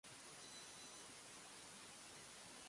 明日の天気は晴れ